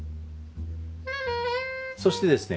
そしてですね